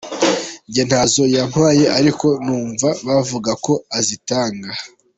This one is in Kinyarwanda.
Njye ntazo yampaye ariko numva bavuga ko azitanga.